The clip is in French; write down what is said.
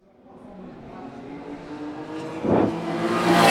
Il décida de poursuivre des études de commerce à la London School of Economics.